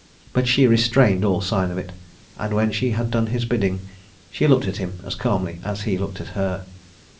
But she restrained all sign of it, and when she had done his bidding she looked at him as calmly as he looked at her.